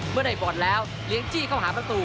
เมื่อได้บอลแล้วเลี้ยงจี้เข้าหาประตู